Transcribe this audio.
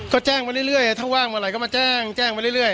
ก็แจ้งมาเรื่อยถ้าว่างเมื่อไหร่ก็มาแจ้งแจ้งไปเรื่อย